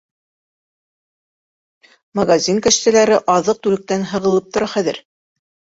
Магазин кәштәләре аҙыҡ-түлектән һығылып тора хәҙер.